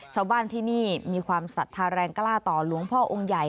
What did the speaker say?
ชาวบ้านที่นี่มีความศรัทธาแรงกล้าต่อหลวงพ่อองค์ใหญ่